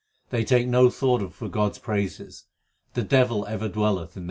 They take no thought for God s praises ; the devil ever dwelleth in their hearts.